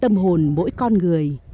tâm hồn mỗi con người